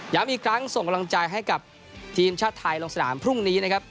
อีกครั้งส่งกำลังใจให้กับทีมชาติไทยลงสนามพรุ่งนี้นะครับ